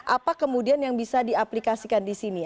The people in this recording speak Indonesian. apa kemudian yang bisa diaplikasikan di sini